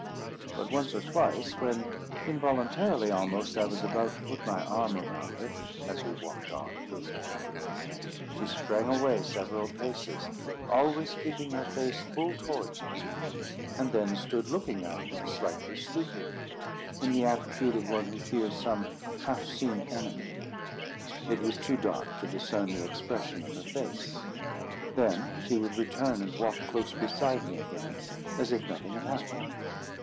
But once or twice, when, involuntarily almost, I was about to put my arm around her as we walked on through the warm gloom, she sprang away several paces, always keeping her face full towards me, and then stood looking at me, slightly stooping, in the attitude of one who fears some half seen enemy. It was too dark to discern the expression of her face. Then she would return and walk close beside me again, as if nothing had happened.